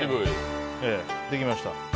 できました。